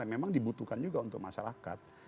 memang dibutuhkan juga untuk masyarakat